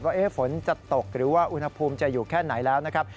ฝนจะตกหรือว่าอุณหภูมิจะอยู่แค่ไหนแล้วนะครับ